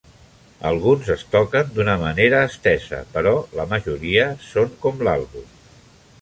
Alguns es toquen d'una manera estesa, però la majoria són com l'àlbum.